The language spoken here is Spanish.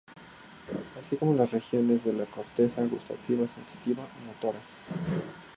Y así con otras regiones de la corteza: gustativas, sensitivas o motoras.